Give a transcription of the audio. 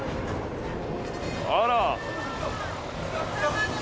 あら。